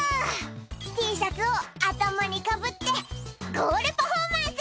「Ｔシャツを頭にかぶってゴールパフォーマンス！」